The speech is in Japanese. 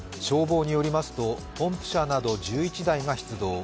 消防によりますと、ポンプ車など１１台が出動。